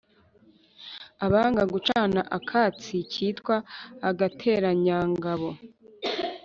abana gucana akatsi kitwa « agateranyangabo »